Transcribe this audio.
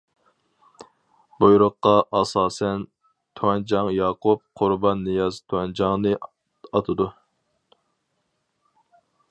بۇيرۇققا ئاساسەن تۈەنجاڭ ياقۇپ، قۇربان نىياز تۈەنجاڭنى ئاتىدۇ.